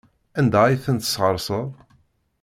Anda ay ten-tesɣerseḍ?